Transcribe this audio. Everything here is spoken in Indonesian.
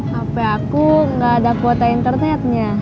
hp aku enggak ada kuota internetnya